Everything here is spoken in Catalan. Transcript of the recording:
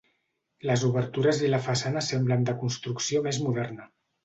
Les obertures i la façana semblen de construcció més moderna.